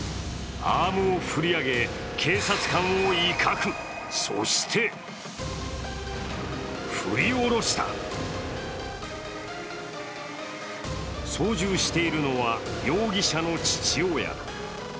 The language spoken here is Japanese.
アームを振り上げ、警察官を威嚇、そして振り下ろした操縦しているのは、容疑者の父親。